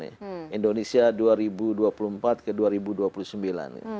indonesia dua ribu dua puluh empat ke dua ribu dua puluh sembilan